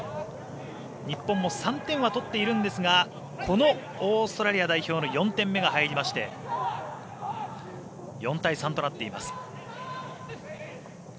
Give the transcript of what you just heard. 日本も３点は取っているんですがオーストラリア代表の４点目が入りまして４対３となっています。